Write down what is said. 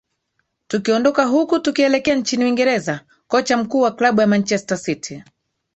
tukiondoka huku tukielekea nchini uingereza kocha mkuu wa kablu ya manchester city